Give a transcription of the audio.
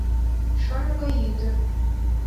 Шоҥго ӱдыр.